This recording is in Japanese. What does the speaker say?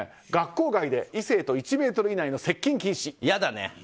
学校外で異性と１ｍ以内の接近禁止。